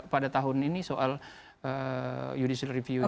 pada tahun ini soal judicial review